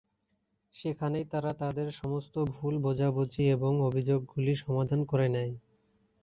সেখানেই তারা তাদের সমস্ত ভুল বোঝাবুঝি এবং অভিযোগগুলি সমাধান করে নেয়।